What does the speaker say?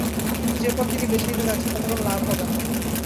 কিন্তু যে-পথ তিনি বেছে নিতে চাচ্ছেন তাতে কোনো লাভ হবে না।